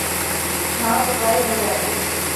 جھاگ غائب ہو جاتی